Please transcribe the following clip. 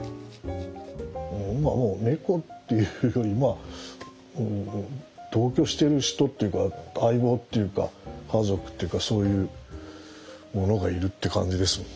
今もう猫っていうより同居してる人っていうか相棒っていうか家族っていうかそういうものがいるって感じですもんね。